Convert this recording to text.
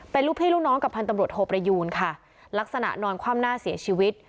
เป็นลูกพี่ลูกน้องกับพันตำรวจโทประยูนค่ะลักษณะนอนคว่ำหน้าเสียชีวิต